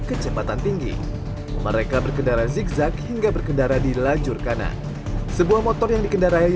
kecepatan tinggi mereka berkendara zigzag hingga berkendara di lajur kanan sebuah motor yang dikendarai